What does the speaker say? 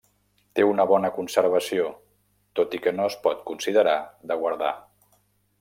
Té una bona conservació, tot i que no es pot considerar de guardar.